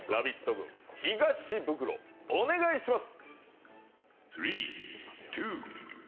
軍東ブクロお願いします。